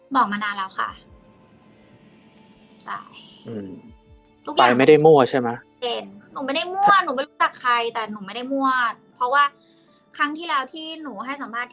มาช่วยกันเป็นกระบอกเสียงแหละค่ะ